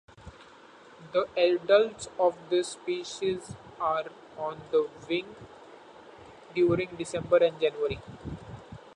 The adults of this species are on the wing during December and January.